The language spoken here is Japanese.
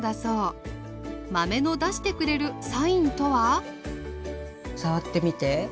豆の出してくれるサインとは触ってみて。